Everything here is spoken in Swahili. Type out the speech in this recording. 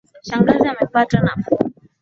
Shangazi amepata nafuu